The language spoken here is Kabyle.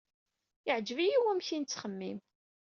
Yeɛjeb-iyi wamek ay nettxemmim.